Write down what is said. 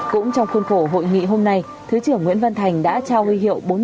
cũng trong khuôn khổ hội nghị hôm nay thứ trưởng nguyễn văn thành đã trao huy hiệu